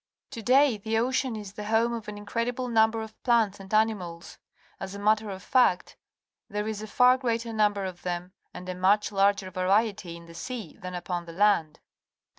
To d ay the ocean is the home of an incredible number of plants and animals. As a matter of fact, there is a far greater number of them, and a much larger variety, in the sea than upon the land.